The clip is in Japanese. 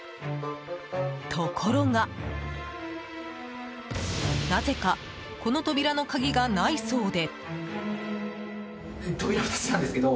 ところが、なぜかこの扉の鍵がないそうで。